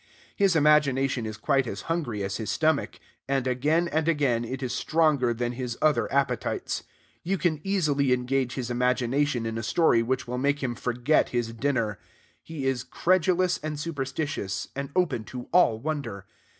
His imagination is quite as hungry as his stomach. And again and again it is stronger than his other appetites. You can easily engage his imagination in a story which will make him forget his dinner. He is credulous and superstitious, and open to all wonder.